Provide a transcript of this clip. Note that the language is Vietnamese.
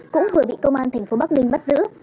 cũng vừa bị công an thành phố bắc ninh bắt giữ